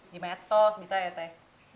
di medsos bisa ya teh